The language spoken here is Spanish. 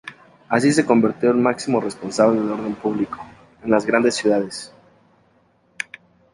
Así se convirtió en el máximo responsable del orden público en las grandes ciudades.